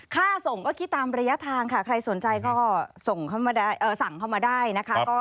ค่าส่งก็คิดตามระยะทางค่ะใครสนใจก็ส่งเข้ามาได้นะคะ